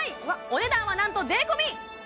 お値段はなんと税込え！